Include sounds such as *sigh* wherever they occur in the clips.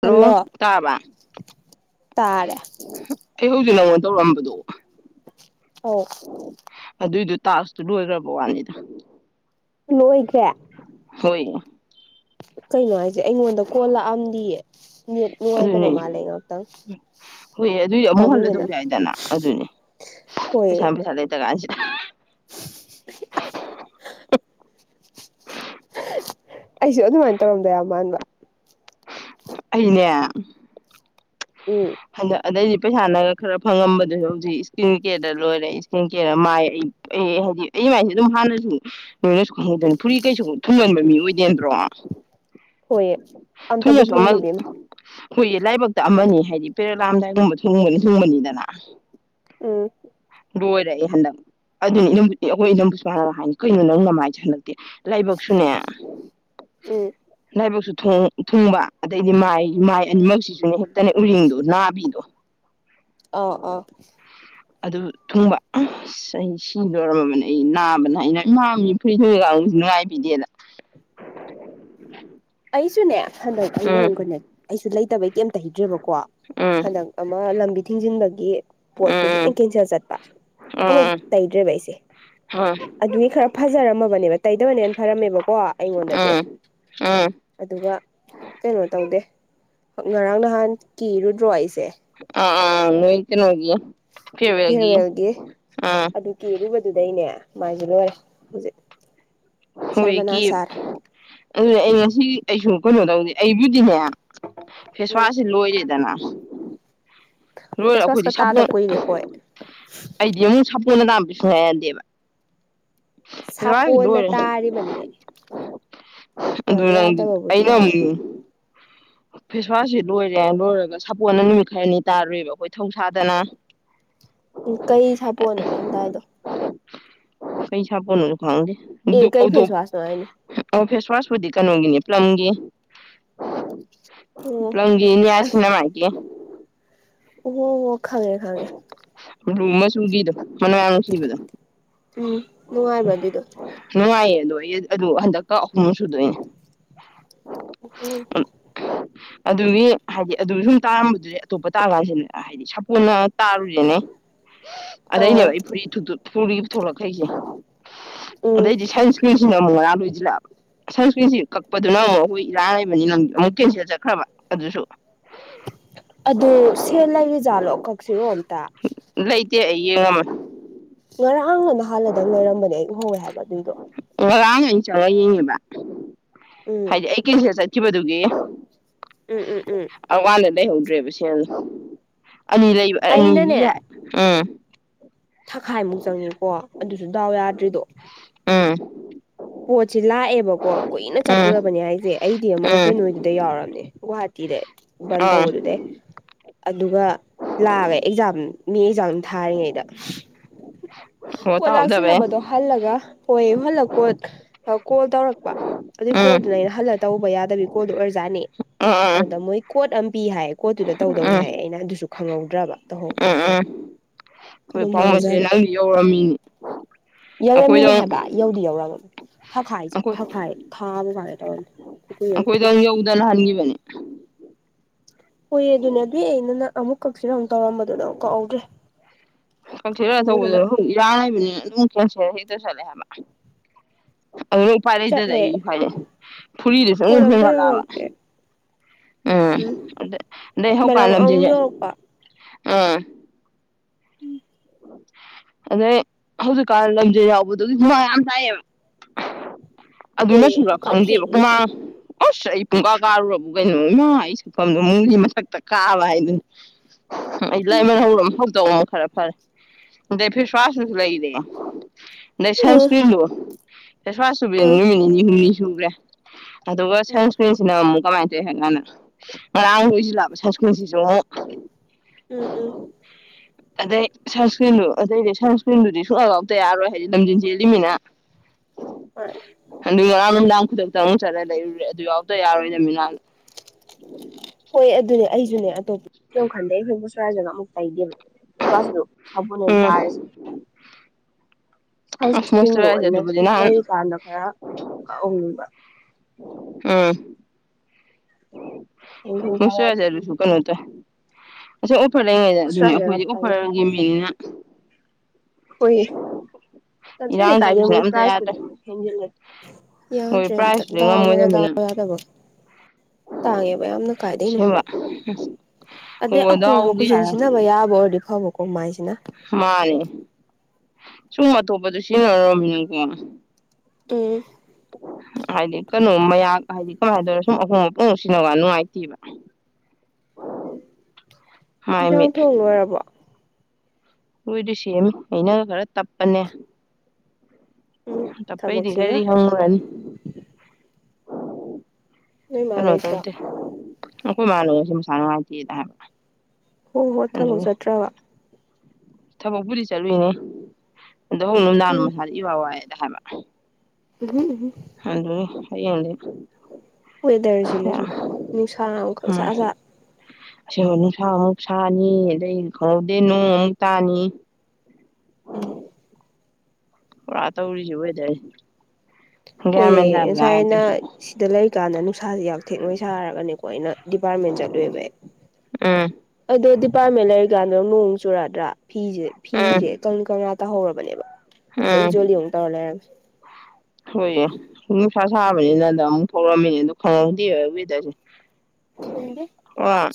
hello ꯇꯥꯕ ꯇꯥꯔꯦ ꯑꯩ ꯍꯧꯖꯤꯛ ꯂꯧ ꯇꯧꯔꯝꯕꯗꯣ ꯍ ꯑꯗꯨꯏꯗꯨꯣ ꯇꯥꯁꯇꯨ ꯂꯣꯏꯗ꯭ꯔꯕ ꯋꯥꯅꯤꯗ ꯂꯣꯏꯈ꯭ꯔꯦ ꯍꯣꯏꯅ ꯀꯩꯅꯅꯨꯡꯉꯥꯏ ꯑꯩꯉꯣꯟꯗ ꯀꯣꯜꯂꯥꯛꯑꯝꯗꯤ ꯅꯦꯠ ꯅꯨꯡꯉꯥꯏꯇꯕ ꯑꯗꯨꯅꯤ ꯃꯥꯜꯂꯦ ꯉꯍꯥꯛꯇꯪ ꯍꯣꯏ ꯑꯗꯨꯏ ꯑꯃꯨꯛ ꯍꯜꯂ ꯇꯧ ꯄꯥꯝꯃꯨꯒꯅ ꯌꯥꯏꯗꯅ ꯑꯗꯨꯅꯤ ꯍꯣꯏ ꯄꯩꯁꯥ ꯄꯩꯁꯥ ꯂꯩꯇ ꯀꯥꯟꯁꯤꯗ *inaudible* ꯑꯩꯁꯨ ꯑꯗꯨꯃꯥꯏꯅ ꯇꯧꯔꯝꯗ ꯌꯥꯝ ꯃꯥꯟꯕ ꯑꯅꯦ ꯎꯝ ꯍꯗ ꯑꯗꯩ ꯄꯩꯁꯥꯅꯒ ꯈꯔ ꯐꯪꯉꯝꯕꯗꯨꯁꯨ ꯍꯧꯖꯤꯛ ꯏꯁꯀ꯭ꯔꯤꯟ ꯀꯦꯌꯔꯗ ꯂꯣꯏꯔꯦ ꯏꯁꯀ꯭ꯔꯤꯟ ꯀꯦꯌꯔꯗ ꯃꯥꯏ ꯑꯩ ꯑꯩ ꯍꯥꯏꯗꯤ ꯑꯩ ꯃꯥꯏꯁ ꯑꯗꯨꯝ ꯍꯥꯟꯅꯁꯨ ꯅꯣꯏꯅꯁꯨ ꯈꯪꯍꯗꯣꯏꯅꯤ ꯐꯨꯔꯤ ꯀꯩꯁꯨ ꯊꯨꯝꯃꯟꯕ ꯃꯤ ꯑꯣꯏꯗꯦꯗ꯭ꯔꯣ ꯍꯣꯏꯑ ꯑꯝꯇꯕꯨ ꯊꯨꯡꯂꯤꯕꯤꯃ ꯑꯩꯈꯣꯏꯒꯤ ꯂꯥꯏꯕꯛꯇ ꯑꯃꯅꯤ ꯍꯥꯏꯔꯤꯕ ꯄꯦꯔ ꯂꯥꯑꯝꯗꯥꯏꯒꯨꯝꯕ ꯊꯤꯡꯕꯅ ꯍꯤꯡꯕꯅꯤꯗꯅ ꯎꯝ ꯂꯣꯏꯔꯛꯑꯦ ꯍꯟꯗꯛ ꯑꯗꯨꯅꯤ ꯏ ꯑꯩꯈꯣꯏ ꯏꯅꯝꯕꯨꯁꯨꯃꯅ ꯍꯥꯏꯅꯤ ꯀꯩꯅꯣ ꯅꯪ ꯅꯃꯥꯏꯁꯦ ꯍꯟꯗꯛꯇꯤ ꯂꯥꯏꯕꯛꯁꯨꯅꯦ ꯎꯝ ꯂꯥꯏꯕꯛꯁꯨ ꯊꯨꯡꯕ ꯑꯗꯩꯗꯤ ꯃꯥꯏ ꯃꯥꯏ ꯑꯅꯤꯃꯛꯁꯤꯁꯨꯅꯦ ꯍꯦꯛꯇꯅꯦ ꯎꯔꯤꯡꯗꯣ ꯅꯥꯕꯤꯗꯣ ꯑꯥ ꯑꯥ ꯑꯗꯨ ꯊꯨꯡꯕ ꯆꯍꯤ ꯁꯤ ꯂꯣꯏꯔꯝꯃꯕꯅꯤ ꯑꯩ ꯅꯥꯕꯅ ꯑꯩꯅ ꯏꯃꯥ ꯃꯤ ꯐꯨꯔꯤꯗꯒꯁꯨ ꯅꯨꯡꯉꯥꯏꯕꯤꯗꯦꯗ ꯑꯩꯁꯨꯅꯦ ꯍꯟꯗꯛ ꯑꯩꯅꯒꯅꯦ ꯑꯩꯁꯨ ꯂꯩ ꯇꯕ ꯀ ꯌꯥꯝ ꯇ ꯍꯩꯗ꯭ꯔꯦꯕꯀꯣ ꯎꯝ ꯍꯟꯗꯛ ꯑꯃ ꯂꯝꯕꯤ ꯊꯤꯡꯖꯤꯟꯕꯒꯤ ꯄꯣꯠꯇꯨꯁꯨ ꯎꯝ ꯂ ꯀꯦꯟꯁꯦꯜ ꯆꯠꯄ ꯑꯃꯨꯛ ꯇꯩꯗ꯭ꯔꯦꯕ ꯑꯩꯁꯦ ꯎꯝ ꯑꯗꯨꯒꯤ ꯈꯔ ꯐꯖꯔꯝꯃꯕꯅꯦꯕ ꯇꯩꯇꯕꯅꯦꯅ ꯐꯔꯝꯃꯦꯕꯀꯣ ꯑꯩꯉꯣꯟꯗꯗꯤ ꯎꯝ ꯎꯝ ꯎꯝ ꯑꯗꯨꯒ ꯀꯩꯅꯣ ꯇꯧꯗꯦ ꯉꯔꯥꯡ ꯅꯍꯥꯟ ꯀꯤꯔꯨꯗ꯭ꯔꯣ ꯑꯩꯁꯦ ꯆꯦ ꯑ ꯅꯣꯏ ꯏꯜꯇ ꯅꯣꯒꯤ ꯐꯦꯔꯋꯦꯜꯒꯤ ꯑꯥ ꯑꯗꯨ ꯀꯦꯔꯨꯕꯗꯨꯗꯩꯅꯦ ꯃꯥꯏꯒꯤ ꯂꯣꯏꯔꯦ ꯍꯧꯖꯤꯛ ꯍꯣꯏ ꯀ ꯁꯔꯃꯅꯥ ꯁꯥꯔꯦ ꯑꯗꯨꯅ ꯑꯩ ꯉꯁꯤ ꯑꯩꯁꯨ ꯀꯩꯅꯣ ꯇꯧꯗꯤ ꯑꯩꯕꯨꯗꯤꯍꯦ ꯎꯝ ꯐꯦꯁꯋꯥꯁꯁꯤ ꯂꯣꯏꯔꯦꯗꯅ ꯂꯣꯏꯔ ꯑꯩꯈꯣꯏꯗꯤ ꯐꯦꯁꯋꯥꯁꯀ ꯇꯥꯗ ꯀꯨꯏꯔꯦ ꯑꯩꯈꯣꯏ ꯑꯩꯗꯤ ꯑꯃ ꯍꯅ ꯝꯕꯤꯁꯅꯨ ꯍꯥꯏꯌꯥꯗꯦꯕ ꯁꯥꯄꯣꯅ ꯇ ꯇꯥꯔꯤꯕꯅꯤ ꯑꯗꯨ ꯍꯣꯏ ꯅꯪꯗꯤ ꯌꯥꯗꯕꯕꯨꯗꯤ ꯑꯩꯅ ꯌꯥꯎꯋꯦ ꯑꯃꯨꯛ ꯐꯦꯁꯋꯥꯁꯁꯤ ꯂꯣꯏꯔꯦ ꯂꯣꯏꯔꯒ ꯁꯥꯄꯣꯟꯅ ꯅꯨꯃꯤꯠ ꯈꯔꯅꯤ ꯇꯥꯔꯨꯦꯕ ꯑꯩꯈꯣꯏ ꯊꯧꯁꯥꯗꯅ ꯎ ꯀꯩ ꯁꯥꯄꯣꯅꯣ ꯅꯪꯗꯥꯏꯗꯣ ꯀꯩ ꯁꯄꯅꯨꯅ ꯍꯪꯦ ꯐꯦꯁ ꯋꯥꯁ ꯅꯅꯨꯡꯉꯥꯏꯅꯦ ꯐꯦꯁꯋꯥꯁꯄꯨꯗꯤ ꯀꯩꯅꯣꯒꯤꯅꯤ ꯄꯂꯝꯒꯤ ꯑꯣ ꯄ꯭ꯂꯒꯤꯅꯤ ꯌꯥꯁꯤꯅ ꯃꯥꯦ ꯑꯣ ꯍ ꯈꯪꯉꯦ ꯈꯪꯉꯦ ꯎꯃ ꯁꯨ ꯀꯗ ꯃꯅ ꯌꯥꯝ ꯅꯨꯡꯁꯤꯕꯗꯣ ꯎꯝ ꯅꯨꯡꯉꯥꯏꯕ꯭ꯔꯥ ꯑꯗꯨꯏꯗꯣ ꯅꯨꯡꯉꯥꯏꯌꯦ ꯂ ꯑꯗꯨ ꯍꯟꯗꯛꯀ ꯑꯍꯨꯝꯨꯛ ꯁꯨꯗꯣꯏꯅꯦ ꯑꯣ ꯍꯣ ꯑꯗꯨꯒꯤ ꯍꯥꯏꯗꯤ ꯑꯗꯨꯒꯤ ꯁꯨꯝ ꯇꯥꯔꯝꯕꯗꯨꯗꯤ ꯑꯇꯣꯞꯄ ꯇꯥ ꯀꯥꯟꯁꯤꯗ ꯍꯥꯏꯗꯤ ꯁꯥꯄꯣꯟꯅ ꯇꯥꯔꯨꯔꯦꯅꯦ *unintelligible* ꯑꯥ ꯑꯗꯩꯅꯦꯕ ꯑꯩ ꯐꯨꯔꯤ ꯊꯣꯛꯂꯛꯈꯩꯁꯦ ꯎꯝ ꯑꯗꯩꯗꯤ ꯁꯥꯏꯟꯁ ꯁꯀꯔꯤꯜꯁꯤꯅ ꯑꯃꯨꯛ ꯉꯥꯡ ꯂꯣꯏꯁꯤꯜꯂꯛꯑꯕ ꯁꯪꯁꯀ꯭ꯔꯤꯟꯁꯤ ꯀꯛꯄꯗꯨꯅ ꯑꯃꯨꯛ ꯑꯩꯈꯣꯏ ꯏꯔꯥꯡ ꯂꯩꯕꯅꯤ ꯂꯝ ꯑꯃꯨꯛ ꯀꯦꯟꯁꯦꯜ ꯆꯠꯈ꯭ꯔꯕ ꯑꯗꯨꯁꯨ ꯑꯗꯨ ꯁꯦ ꯂꯩꯔꯤ ꯖꯥꯠꯂꯣ ꯀꯛꯁꯤꯔꯣ ꯑꯝꯇ ꯂꯩꯇꯦ ꯑꯩ ꯌꯦꯡꯉꯝꯃꯦ ꯉꯔꯥꯡꯅꯗ ꯍꯥꯟꯜꯂꯗꯪ ꯂꯩꯔꯝꯕꯅꯦ ꯑꯩ ꯎꯍꯧ ꯍꯥꯏꯕ ꯑꯗꯨꯗꫭ ꯉꯔꯥꯡ ꯑꯩꯅ ꯆꯪꯉꯒ ꯌꯦꯡꯉꯦꯕ ꯎꯝ ꯍꯥꯏꯗꯤ ꯑꯩ ꯀꯁ ꯀꯕꯗꯨꯒꯦ ꯎꯝ ꯎꯝ ꯎꯝ ꯑ ꯋꯥꯜꯂꯦ ꯂꯩꯍꯧꯗ꯭ꯔꯦꯕꯁꯨ ꯑ ꯑꯅꯤ ꯂꯩꯕ ꯑꯅꯤꯒꯤ ꯑꯩꯅꯅꯦ ꯌꯥꯏ ꯎꯝ ꯊꯈꯥꯏꯃꯨꯛ ꯆꯪꯉꯦꯀꯣ ꯑꯗꯨꯁꯨ ꯗꯥꯎ ꯌꯥꯗ꯭ꯔꯤꯗꯣ ꯎꯝ ꯍ ꯁꯤ ꯂꯥꯛꯑꯦꯕꯀꯣ ꯀꯨꯏꯅ ꯎꯝ ꯆꯠꯄꯨꯔꯕꯅꯤ ꯍꯥꯏꯁꯦ ꯑꯩꯗꯤ ꯑꯃ ꯎꯝ ꯀꯩꯅꯣꯗꯨꯗ ꯌꯥꯎꯔꯕꯅꯦ ꯍꯥ ꯤꯗ ꯕꯟ ꯎꯝ ꯇꯧꯕꯗꯨꯗ ꯑꯗꯨꯒ ꯂꯥꯛꯑꯒ ꯑꯦꯛꯖꯥꯝ ꯃꯤ ꯑꯦꯛꯖꯥꯝ ꯊꯥꯔꯤꯉꯩꯗ ꯑꯣ ꯄꯣꯠ ꯇꯥꯍꯧꯗꯕꯩ ꯂꯥꯛꯁꯤꯜꯂꯕꯗꯣ ꯍꯜꯂꯒ ꯍꯣꯏ ꯍꯜꯂ ꯀꯣꯏ ꯀꯣꯜ ꯇꯧꯔꯛꯄ ꯑꯗꯨ ꯎꯝ ꯎꯝ ꯀꯣꯗꯅꯅ ꯍꯜ ꯇꯧꯕ ꯌꯥꯗꯕꯤꯀꯣꯗ ꯑꯣꯏ ꯑꯣꯔꯖꯥꯠꯅꯦ ꯎꯝ ꯎꯝ ꯎꯝ ꯎꯝ ꯍꯗ ꯃꯣꯏ ꯀꯣꯠ ꯑ ꯄꯤ ꯍꯥꯏ ꯄꯣꯠꯇꯨꯗ ꯇꯧꯗꯧꯅꯦ ꯍꯥꯏꯌꯦ ꯑꯩꯅ ꯑꯗꯨꯁꯨ ꯈꯪꯍꯧꯗ꯭ꯔꯕ ꯇꯧꯍꯧꯗ꯭ꯔꯦ ꯑꯩꯈꯣꯏ ꯑꯗꯨꯝ ꯄꯥꯎꯁꯦ ꯃꯥꯡꯖꯔꯦ ꯅꯪꯗꯤ ꯌꯧꯔꯝꯃꯤꯅꯤ ꯑꯩꯈꯣꯏꯗ ꯊꯈꯥꯏ ꯆ ꯊꯈꯥꯏ ꯊꯥꯕ ꯃꯔꯦ ꯇꯧ ꯑꯩꯈꯣꯏꯗ ꯌꯧꯗꯅ ꯍꯟꯈꯤꯕꯅꯤ ꯍꯣꯏꯌꯦ ꯑꯗꯨꯅꯦ ꯑꯗꯨꯏ ꯑꯩ ꯅꯪ ꯑꯃꯨꯛ ꯀꯛꯁꯤꯔ ꯑꯃꯨꯛ ꯇꯧꯔꯝꯕꯗꯨꯗ ꯀꯛꯎꯒ꯭ꯔꯦ ꯀꯛꯊꯤꯔ ꯇꯧꯕꯗ ꯍ ꯌꯥ ꯍꯥꯏꯕꯅꯤꯅ ꯑꯗꯨꯝ ꯀꯦ ꯏꯗꯨ ꯆꯂꯦ ꯍꯥꯏꯃ ꯑꯗꯨ ꯎ ꯄꯥꯏꯔꯛꯏꯗꯗ ꯑꯩ ꯆꯠꯂꯦ ꯍꯥꯏꯥꯏꯔꯛꯑꯦ ꯐꯨꯔꯤꯗꯁꯨ ꯄꯣꯠ ꯑꯃꯛ ꯑꯝꯇ ꯍꯦꯟꯒꯠꯂꯛꯑꯕ ꯌꯧꯔꯛꯇꯦ ꯎꯝ ꯑꯗ ꯑꯗꯩ ꯍꯧꯀꯜ ꯃꯔꯝ ꯑꯃꯨꯛ ꯂꯝꯁꯤꯁꯦ ꯌꯧꯔꯛꯄ ꯑꯥ ꯑꯗꯩ ꯍꯧꯖꯤꯛꯀꯥꯟ ꯂꯝꯁꯦ ꯌꯥꯎꯕꯗꯨꯒꯤ ꯃ ꯌꯥꯝ ꯇꯥꯏꯌꯦꯕ ꯑꯗꯨꯅ ꯍꯣꯏꯌꯦ ꯁꯨꯔ ꯀꯥ ꯈꯪꯗꯦꯕ ꯊꯦꯡꯅꯤ ꯀꯨꯃꯥꯡ ꯑꯁ ꯑꯩ ꯄꯨꯡꯀꯥ ꯀꯥꯔꯨꯔꯕ ꯀꯩꯅꯣ ꯏꯃꯥ ꯑꯩ ꯁꯛꯐꯝꯗꯣ ꯃꯨꯡꯒꯤ ꯃꯊꯛꯇ ꯀꯥꯕ ꯍꯥꯏꯗꯨꯅꯤ ꯑꯩ ꯂꯥꯏꯃ ꯍꯧꯔ ꯍꯧꯗꯧꯕ ꯑꯃ ꯈꯔ ꯐꯔꯦ ꯗ ꯐꯤ ꯁꯁꯅꯁꯨ ꯂꯩꯗ ꯑ ꯅꯁꯝꯁꯀꯤꯂꯣ ꯑꯦ ꯑ ꯁꯥꯁꯨꯕꯦꯟꯅꯤꯃꯤꯅꯤ ꯍꯨꯝꯅꯤ ꯭ꯔꯦ ꯑꯗꯨꯒ ꯎꯝ ꯁꯟꯁꯀ꯭ꯔꯤꯟꯁꯤꯅ ꯑꯃꯨꯛ ꯀꯃꯥꯏꯅ ꯇꯧꯔꯤ ꯍꯥꯏ ꯀꯅ ꯉꯔꯥꯡ ꯅꯣꯏꯁꯤꯜꯂꯑꯕ ꯁꯪꯁꯀ꯭ꯔꯤꯟꯁꯤꯁꯨꯨꯛ ꯎꯝ ꯎꯝ ꯑꯗꯦ ꯁꯟꯁꯀ꯭ꯔꯤꯟꯗꯨ ꯑꯇꯩꯗꯤ ꯁꯟꯁꯀ꯭ꯔꯤꯟꯗꯨꯗꯤ ꯁꯨꯡꯍ ꯂꯥꯎꯇ ꯌꯥꯔꯣꯏ ꯍꯥꯏꯗꯤ ꯂꯝꯖꯦꯟ ꯆꯦꯜꯂꯤꯃꯤꯅ ꯃꯥꯅꯦ ꯀ ꯔꯝꯗꯥꯡ ꯈꯨꯗꯛꯇ ꯑꯃꯨꯛ ꯆꯠꯂ ꯂꯩꯔꯨꯔꯦ ꯑꯗꯨ ꯌꯥꯎꯗ ꯌꯥꯔꯣꯏ ꯅꯃꯤꯅꯥꯜ ꯍꯣꯏ ꯑꯗꯨꯅꯦ ꯑꯩꯁꯨꯅꯦ ꯑꯇꯣꯞꯄ ꯀꯩꯈꯥꯟꯗꯩ ꯑꯩꯈꯣꯏꯕꯨ ꯁꯣꯔꯥꯖꯒ ꯑꯃꯨꯛ ꯇꯥꯏꯗꯦꯕ ꯇꯁ ꯁꯄꯅ ꯎꯝ ꯇꯥꯔꯁꯦ ꯑꯁ ꯁꯟꯁꯀ꯭ꯔꯤꯟꯗꯣ ꯑꯣꯏꯅ ꯃꯣꯏꯆꯔꯥꯏꯖꯔꯗꯨꯕꯨꯗꯤ ꯁꯨꯝ ꯅꯍꯥꯟ ꯂꯩꯔꯤꯀꯥꯟꯗ ꯈꯔꯅꯤꯡꯕ ꯎꯝ ꯈꯪꯊꯦꯡ ꯍꯨ ꯈꯔ ꯁꯋꯥ ꯍꯥꯏ ꯆꯔ ꯁ ꯀꯩꯅꯣ ꯑ ꯑꯣꯐꯔ ꯂꯩꯉꯩꯗ ꯑꯗꯨꯅꯦ ꯑꯣꯁꯇ꯭ꯔꯦꯂꯤꯌꯥ ꯑꯩꯈꯣꯏꯦ ꯇꯧꯔꯤꯁꯦ ꯑꯣꯐꯔꯒꯤ ꯃꯤꯅꯤꯅ ꯍꯣꯏꯌꯦ ꯆꯠꯇ꯭ꯔꯦꯗꯤ ꯏꯔꯥꯡ ꯀꯥꯏꯗꯦ ꯇꯧꯕꯁꯤꯅ ꯃꯣꯏ ꯑꯝꯇ ꯌꯥꯗ꯭ꯔꯦ ꯄ꯭ꯔꯥꯏꯖꯨꯗꯤ ꯍꯦꯟꯖꯤꯜꯂ ꯍꯣꯏ ꯌꯥꯗ꯭ꯔꯦ ꯑꯝꯇ ꯄ꯭ꯔꯥꯏꯖꯇꯨꯗꯤ ꯗꯥꯎꯅꯒ ꯗꯥꯎ ꯉꯝꯃꯣꯏꯗꯃꯤꯅ ꯌꯥꯗꯕ ꯇꯥꯡꯉꯦꯕ ꯌꯥꯝꯅ ꯀꯥꯏꯗꯩꯅꯣ ꯑꯁꯦꯡꯕ ꯍꯣ ꯑꯗꯩ ꯑꯍꯣꯡꯕ ꯗꯥꯎꯒꯤ ꯀꯣꯏꯁꯤꯟ ꯍꯥꯏꯔ ꯁꯤꯖꯤꯟꯅꯕ ꯌꯥꯕ ꯑꯣꯏꯔꯗꯤ ꯕꯀꯣ ꯃꯥꯏꯁꯤꯅ ꯃꯥꯅꯦ ꯁꯨꯝ ꯑꯇꯣꯞꯄꯗ ꯁꯤꯖꯤꯟꯅꯔꯃꯤ ꯅꯪꯀꯣ ꯎ ꯀꯩꯅꯣ ꯃꯌꯥ ꯍꯥꯏꯗꯤ ꯀꯃꯥꯏꯅ ꯇꯧꯔꯦ ꯁꯨꯝ ꯑꯍꯣꯡꯕꯄꯨꯡ ꯅꯨꯡ ꯁꯤꯟꯅꯒ ꯅꯨꯡꯉꯥꯏꯇꯦꯕ ꯎꯝ ꯃꯥꯏ ꯌꯦꯟꯁꯥꯡ ꯊꯣꯡ ꯂꯣꯏꯔꯕꯣ ꯂꯣꯏꯗ꯭ꯔꯤ ꯁꯦꯝꯃꯤ ꯑꯩꯅ ꯈꯔ ꯇꯞꯄꯅꯦ ꯎꯝ ꯇꯄꯩꯗꯤ ꯊꯕꯛꯁꯤꯒ ꯀꯔꯤ ꯍꯪꯉꯨꯔꯅꯤ ꯅꯣꯏ ꯃꯥ ꯀꯩꯅꯣ ꯂꯩꯇ꯭ꯔꯣ ꯇꯧꯗꯦ ꯑꯩꯈꯣꯏ ꯃꯥ ꯅꯁꯨ ꯃꯁꯥ ꯅꯨꯡꯉꯥꯏꯇꯦ ꯍꯥꯏ ꯍꯣ ꯍꯣꯏ ꯊꯕꯛ ꯆꯠꯇ꯭ꯔꯕ ꯊꯕꯛ ꯄꯨꯗꯤ ꯆꯠꯂꯨꯏꯅꯦ ꯑꯗꯣ ꯅꯨꯡꯗꯥꯡꯗ ꯃꯁꯥꯁꯦ ꯏꯋꯥ ꯋꯥꯏ ꯅ ꯍꯥꯏꯕ ꯎꯝ ꯍꯣ ꯍꯥꯌꯦꯡꯗꯤ ꯋꯦꯗꯔꯁꯤꯅꯁꯨ ꯅꯨꯡꯁꯥꯥꯡ ꯑꯃꯈꯛ ꯁꯠꯁꯠ ꯑꯕ ꯅꯨꯡꯁꯥ ꯑꯃꯨꯛ ꯁꯥꯅꯤ ꯑꯗꯩ ꯈꯪꯍꯧꯗꯦ ꯅꯣꯡ ꯑꯃꯨꯛ ꯇꯥꯅꯤ ꯎꯝ ꯄꯨꯔꯥ ꯇꯧꯔꯤꯁꯦ ꯋꯦꯗꯔꯁꯦ ꯒ꯭ꯌꯥꯟ ꯍꯣꯏꯌꯦ ꯃꯦꯟ ꯇꯥꯕ ꯖꯥꯠ ꯅꯠꯇꯦ ꯉꯁꯥꯏꯅ ꯁꯤꯗ ꯂꯩꯔꯤꯀꯥꯟꯗ ꯅꯨꯡꯁꯥꯥꯁꯦ ꯌꯥꯝ ꯊꯦꯛ ꯅꯣꯏ ꯁꯥꯔꯒꯅꯦ ꯑꯩꯅ ꯗꯤꯄꯥꯔꯃꯦꯟꯠ ꯆꯠꯂꯨꯏꯌꯦꯕ ꯎꯝ ꯑꯩ ꯄꯥꯝꯃꯦ ꯂꯩꯔꯤꯀꯥꯟꯗ ꯅꯣꯡ ꯆꯨꯔꯛꯗ꯭ꯔꯥ ꯐꯤꯁꯦ ꯎꯝ ꯐꯤꯁꯦ ꯀꯪ ꯀꯪꯅꯥ ꯇꯥꯍꯧꯔꯕ ꯕꯅꯦꯕ ꯆꯣꯠꯂꯤ ꯎꯝ ꯆꯣꯠꯂꯤ ꯑꯃꯨꯛ ꯇꯧꯔ ꯂꯩꯔꯝꯃꯦ ꯍꯣꯏꯌꯦ ꯅꯨꯡꯁꯥ ꯁꯥꯕꯅꯤꯅꯗ ꯑꯃꯨꯛ ꯊꯣꯛꯔꯛꯝꯃꯤꯅꯦ ꯑꯗꯣ ꯈꯔꯗꯤ ꯋꯔꯁꯦ ꯈꯪꯗꯦ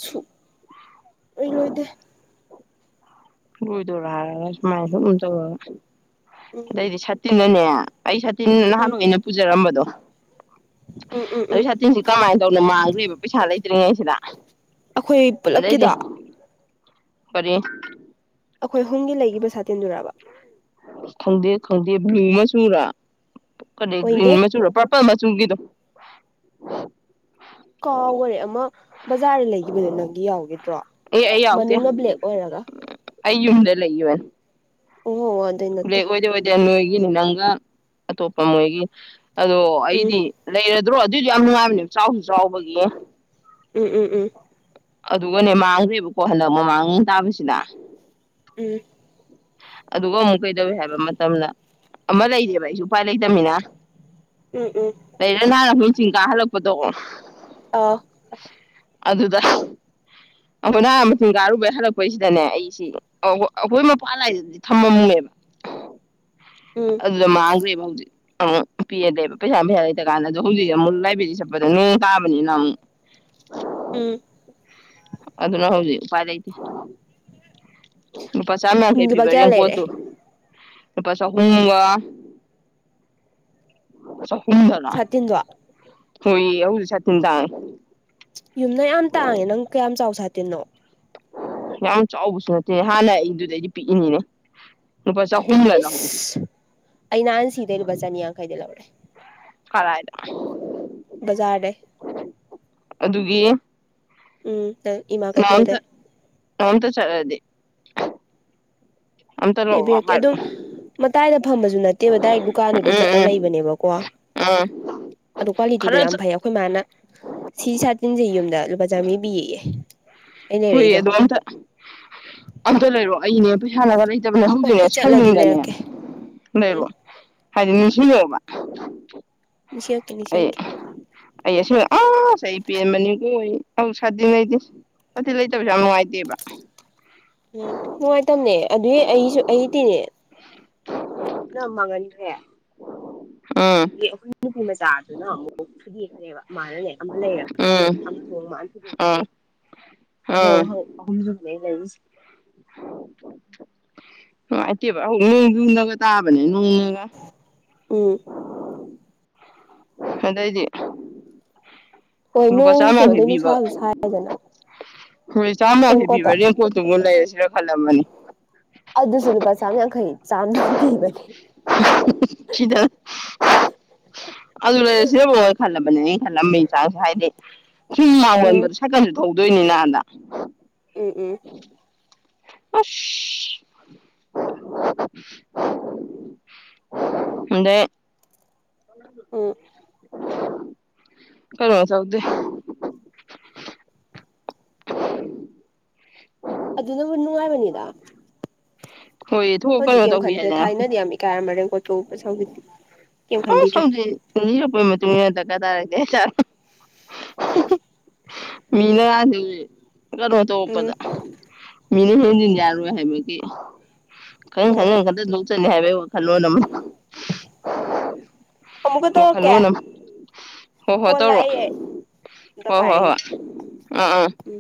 ꯁꯨ ꯂꯣꯏ ꯂꯣꯏꯗꯦ ꯎꯗꯔ ꯃꯥꯏ ꯎꯗ ꯎꯝ ꯂꯩꯗꯤ ꯁꯥꯇꯤꯟ ꯁꯤꯅꯅꯦ ꯑꯩ ꯁꯥꯇꯤꯟ ꯤꯟ ꯎꯝ ꯅꯍꯥꯟꯋꯥꯏ ꯑꯩꯅ ꯄꯨꯖꯔꯝꯕꯗꯣ ꯎꯝ ꯎꯝ ꯑꯗꯨ ꯎꯝ ꯁꯥꯇꯤꯟꯁꯤ ꯀꯃꯥꯏꯅ ꯇꯧꯅꯣ ꯃꯥꯡꯈ꯭ꯔꯦꯕ ꯄꯩꯁꯥ ꯂꯩꯇ꯭ꯔꯤꯉꯩ ꯁꯤꯗ ꯑꯩꯈꯣꯏ ꯄꯨꯂꯞꯀꯤꯗꯣ ꯀꯔꯤ ꯑꯩꯈꯣꯏ ꯑꯍꯨꯝꯒꯤ ꯂꯩꯈꯤꯕ ꯁꯥꯇꯤꯟꯗꯨꯔꯔꯕ ꯈꯪꯗꯦ ꯈꯪꯗꯦ ꯕ꯭ꯂꯨ ꯃꯆꯨ ꯔꯥ ꯀꯔꯤ ꯒ꯭ꯔꯤꯟ ꯍꯣꯏꯅꯦ ꯃꯆꯨꯔꯣ ꯄꯔꯄꯜ ꯃ ꯆꯨꯡꯒꯤꯗ ꯀꯥꯎ ꯍꯔꯦ ꯑꯃ ꯕꯖꯥꯔꯗ ꯂꯩꯈꯤꯕꯗꯨꯣ ꯅꯪꯗꯤ ꯌꯥꯎꯈꯤꯗ꯭ꯔꯣ ꯃꯅꯨꯡꯅ ꯕ꯭ꯂꯦꯛ ꯑꯣꯏꯔꯒ ꯑꯌꯨꯗ ꯂꯩꯨꯃꯦꯟ ꯑꯣ ꯑꯗꯨꯏ ꯅꯠꯇꯦ ꯑꯣꯏꯗꯦ ꯑꯣꯏꯗꯦ ꯅꯣꯏ ꯑꯩꯒꯤꯅꯤ ꯅꯪꯒ ꯑꯇꯣꯞꯄ ꯃꯣꯏꯒꯤ ꯑꯗꯣ ꯎꯝ ꯑꯩꯗꯤ ꯂꯩꯔ ꯑꯗꯨ꯭ꯔꯣ ꯑꯗꯨꯏꯗꯤ ꯌꯥꯝ ꯅꯨꯡꯉꯥꯏꯕꯅꯦ ꯆꯥꯎꯁꯨ ꯆꯥꯎꯕꯒꯤ ꯎꯝ ꯎꯝ ꯎꯝ ꯑꯗꯨꯒꯅꯦ ꯃꯥꯡꯗ꯭ꯔꯦꯕꯀꯣ ꯍꯟꯗꯛ ꯃꯃꯥꯡ ꯇꯥꯕꯁꯤꯗ ꯎꯝ ꯑꯗꯨꯒ ꯑꯃꯨꯛ ꯀꯩꯗꯧꯏ ꯍꯥꯏꯕ ꯃꯇꯝꯗ ꯑꯃ ꯂꯩꯔꯤꯑꯕ ꯑꯩꯁꯨ ꯎꯄꯥꯏ ꯂꯩꯇꯅꯤꯅ ꯎꯝ ꯎꯝ ꯄꯔ ꯂ ꯆꯤꯡ ꯀꯥ ꯍꯜꯂꯛꯄꯗꯣ ꯑ ꯑꯗꯨꯗ ꯑꯩꯈꯣꯏ ꯅꯍꯥꯟ ꯃꯁꯤꯡꯊ ꯀꯥꯔꯨꯕꯩ ꯍꯜꯂꯛꯄꯩꯁꯤꯗꯅꯦ ꯑꯩꯁꯤ ꯑꯩꯈꯣꯏ ꯃꯄ ꯂꯥꯏꯁꯤꯗꯗꯤ ꯊꯝꯃꯝꯅꯦꯦꯕ ꯎꯝ ꯑꯗꯨ ꯃꯥꯥꯡꯒꯦꯕꯥꯎꯖꯤ ꯑ ꯄꯤꯗꯦꯕ ꯄꯩꯁꯥ ꯄꯩꯁꯥ ꯂꯩꯇ ꯀꯥꯟꯗ ꯑꯗꯣ ꯍꯧꯖꯤꯛꯁꯦ ꯑꯃꯨꯛ ꯂꯥꯏꯕ꯭ꯔꯦꯔꯤ ꯆꯠꯄꯗ ꯅ ꯇꯥꯕꯅꯤꯅ ꯑꯃꯨꯛ ꯎꯝ ꯑꯗꯨꯅ ꯍꯧꯖꯤꯛ ꯎꯄꯥꯏ ꯂꯩꯇꯦ ꯅꯨꯄꯥ ꯆꯥ ꯃ ꯀꯩ ꯂꯨꯄꯥ ꯀꯌꯥ ꯐꯤꯕꯔ ꯂꯩꯔꯦ ꯀꯣꯠꯇꯨ ꯍꯨꯒ ꯆꯇꯤꯟꯖꯣ ꯍꯣꯏꯣꯏ ꯍ ꯆ ꯇꯤꯟ ꯇ ꯊ ꯇꯅꯣ ꯌꯥꯝ ꯆꯥꯎꯕꯁꯨ ꯅꯠꯇꯦꯅꯦ ꯍꯥꯟꯅ ꯑꯩꯗꯨꯗꯩꯗꯤ ꯄꯤꯛꯏꯉꯤꯅꯦ ꯏꯁ ꯑꯩ ꯅꯍꯥꯟ ꯁꯤꯗꯩ ꯂꯨꯄꯥ ꯆꯅꯤ ꯌꯥꯡꯈꯩꯗ ꯂꯧꯔꯦ ꯈꯔ ꯍꯥꯏꯗ ꯖꯔꯦ ꯑꯗꯨꯒꯤ ꯎꯝ ꯏꯃꯥ ꯀꯩꯊꯦꯜꯗ ꯑꯝ ꯇ ꯆꯂꯗꯤ ꯂꯩꯕꯤꯔꯛꯀꯦ ꯑꯗꯨꯝ ꯃꯇꯥꯏꯗ ꯐꯝꯕꯁꯨ ꯅꯠꯇꯦꯕ ꯗꯥꯏꯔꯦꯛ ꯗꯨꯀꯥꯟꯗꯨꯗꯩ ꯍꯥꯏꯔꯛꯑꯣ ꯆꯠꯂ ꯎꯝ ꯂꯩꯕꯅꯦꯕꯀꯣ ꯎꯝ ꯎꯝ ꯑꯗꯣ ꯀ꯭ꯋꯥꯂꯤꯇꯤꯗꯣ ꯈꯔ ꯌꯥꯝ ꯐꯩ ꯑꯩꯈꯣꯏ ꯃꯥꯅ ꯁꯤ ꯁꯥꯇꯤꯟꯁꯦ ꯌꯨꯝꯗ ꯂꯨꯄꯥ ꯆꯥꯝꯃꯔꯤ ꯄꯤ ꯌꯦꯛꯑꯦ ꯑꯩ ꯍꯣꯏ ꯂꯩꯔꯛꯏꯗꯣ ꯑꯗꯣ ꯑꯅꯦ ꯄꯩꯁꯥꯟꯅꯕ ꯂꯩꯇꯕꯅꯦ ꯍꯣꯏ ꯍꯧꯖꯤꯛꯅꯦ ꯑꯩ ꯆꯠꯂꯗꯤ ꯁꯥꯎꯅꯤꯡꯗꯅꯦ ꯂꯩꯔꯛꯀꯦ ꯂꯩꯔꯣ ꯎꯝ ꯍꯥꯏꯗꯤ ꯅꯤꯡꯁꯤꯡꯂꯕ ꯅꯤꯡꯁꯤꯡꯉꯛꯀꯦ ꯑ ꯅꯤꯡꯁꯤꯡꯉꯛꯀꯦ ꯑꯁ ꯑ ꯄꯦꯟꯕꯅꯤ ꯀꯣꯏ ꯁꯥꯗꯤ ꯂꯩꯇꯦ ꯁꯗꯤ ꯂꯩꯇꯕꯁꯨ ꯌꯥꯝ ꯅꯨꯡꯉꯥꯏꯇꯦꯕ ꯎꯝ ꯅꯨꯡꯉꯥꯏꯇꯕꯅꯦ ꯑꯗꯨꯏ ꯀ ꯃ ꯉꯟ꯭ꯔꯦ ꯎꯝ ꯑꯗꯒꯤ ꯑꯩꯈꯣꯏ ꯅꯨꯄꯤ ꯃ ꯆꯥꯗꯨꯅ ꯑꯃꯨꯛ ꯊꯨꯗꯤ ꯐꯔꯦꯕ ꯃꯥꯅꯅꯦ ꯑꯃ ꯎꯝ ꯂꯩꯔꯕꯅꯦꯕ ꯑꯃꯗ ꯃꯥꯥꯟꯈꯤꯗ ꯑꯥ ꯈꯔꯦ ꯑꯗꯦꯅꯦ ꯑꯥ ꯍ ꯍ ꯍ ꯅꯨꯡꯉꯥꯏꯇꯦꯕ ꯍꯧꯛ ꯅꯨꯡ ꯂꯒ ꯇꯥꯕꯅꯤꯅ ꯑꯒ ꯎꯝ ꯑꯗꯥꯏꯗꯤ ꯍꯣꯏ ꯅꯣꯡꯁꯨ ꯑꯗꯩ ꯅꯨꯡꯁꯥꯁꯨ ꯁꯥꯏꯗꯅ ꯍꯣꯏ ꯆꯥꯝꯃ ꯍꯤ ꯔꯦꯟꯀꯣꯠꯇꯣ ꯄꯕꯤꯕꯅꯦ ꯄꯣꯠꯇꯨꯕꯨ ꯂꯩꯔꯁꯤꯔ ꯑꯅꯃꯅꯤ ꯑꯗꯨ ꯑꯗꯨꯁꯨꯔꯨꯄꯥ ꯆꯝ ꯌꯥꯈꯩ ꯁꯤꯗ ꯑ ꯂꯩꯁꯤꯕ ꯈꯜꯂꯕꯅꯤꯅꯦ ꯈꯜꯂꯝꯕꯒꯤ ꯆꯥꯛꯁꯨ ꯍꯥꯏꯗꯤ ꯀꯤ ꯂꯉ ꯎꯝ ꯑꯣꯏ ꯁꯒꯥꯟ ꯇꯧꯗꯣꯏꯅꯤꯅ ꯑꯗ ꯎꯝ ꯎꯝ ꯑ ꯑꯗ ꯎꯝ ꯀ ꯁꯥꯎꯗ *unintelligible* ꯑꯗꯨꯅꯕꯨ ꯅꯅꯨꯡꯉꯥꯏꯕꯅꯤꯗ ꯍꯣꯏ ꯊꯣꯛ ꯍꯗꯤ ꯀꯩꯅꯣ ꯀꯦ ꯇꯧꯕꯤ ꯈꯟꯗ꯭ꯔ ꯌꯥꯏꯗꯅ ꯊꯥꯏꯅꯗꯤ ꯌꯥꯝꯃꯤ ꯀꯥꯏ ꯌꯥꯝꯔ ꯇꯖꯤꯤ ꯀꯩꯝꯣ ꯈꯟꯕꯤꯗ꯭ꯔꯦ ꯃꯤꯅꯗꯀ ꯇꯥꯔꯦ ꯃꯤꯅ ꯉꯥꯟꯁꯤ ꯀꯩꯅꯣ ꯎꯝ ꯇꯧꯔꯛꯄꯗ ꯃꯤꯅ ꯍꯦꯟꯖꯤꯟ ꯌꯥꯔꯣꯏ ꯍꯥꯏꯕꯒꯤ ꯀꯩꯅ ꯁ ꯍꯣꯏ ꯍꯥꯏꯦ ꯐꯜꯂꯣ ꯅ ꯑꯃꯨꯛꯀ ꯋꯥꯜ ꯇꯧꯔꯛꯀꯦ ꯑꯗꯨꯝ ꯍꯣꯏ ꯍꯣꯏ ꯀꯣꯜ ꯇꯧꯔꯣ ꯂꯥꯛꯏ ꯑꯩ ꯑꯝꯇ ꯍꯣꯏ ꯍꯣꯏ ꯄꯥꯏꯔꯒꯦ ꯍꯣꯏ ꯑꯥ ꯑꯥ ꯎꯝ